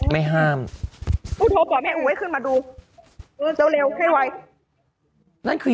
ไม่ห้ามกูโทรบอกแม่อู๋ให้ขึ้นมาดูเออเร็วแค่ไวนั่นคือ